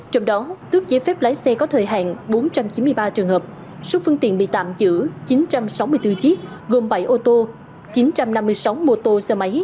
trong đó tước giấy phép lái xe có thời hạn bốn trăm chín mươi ba trường hợp số phương tiện bị tạm giữ chín trăm sáu mươi bốn chiếc gồm bảy ô tô chín trăm năm mươi sáu mô tô xe máy